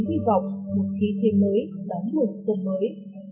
và một niếm hy vọng một khí thêm mới đón ngủ xuân mới